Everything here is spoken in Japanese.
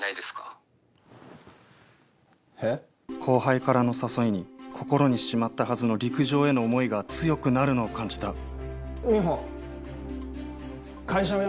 後輩からの誘いに心にしまったはずの陸上への思いが強くなるのを感じた